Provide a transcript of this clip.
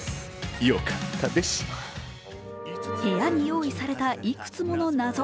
部屋に用意されたいくつもの謎。